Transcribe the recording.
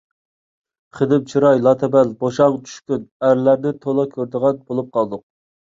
خېنىم چىراي، لاتا بەل، بوشاڭ، چۈشكۈن ئەرلەرنى تولا كۆرىدىغان بولۇپ قالدۇق.